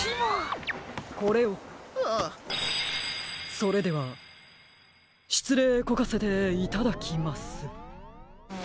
それではしつれいこかせていただきます。